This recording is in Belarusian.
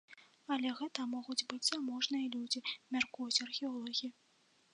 Але гэта могуць быць заможныя людзі, мяркуюць археолагі.